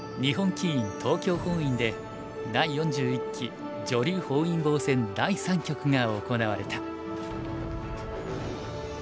東京本院で第４１期女流本因坊戦第三局が行われた。